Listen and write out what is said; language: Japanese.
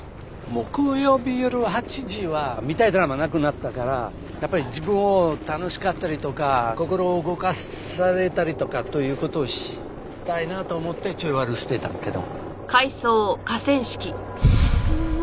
木曜日夜８時は見たいドラマなくなったからやっぱり自分を楽しかったりとか心を動かされたりとかという事をしたいなと思ってちょい悪してたんだけど。